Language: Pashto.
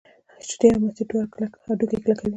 شیدې او مستې دواړه هډوکي کلک کوي.